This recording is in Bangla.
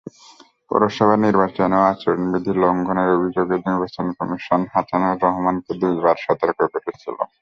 পৌরসভা নির্বাচনেও আচরণবিধি লঙ্ঘনের অভিযোগে নির্বাচন কমিশন হাচানুর রহমানকে দুবার সতর্ক করেছিল।